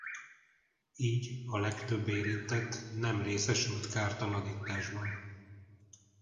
Így a legtöbb érintett nem részesült kártalanításban.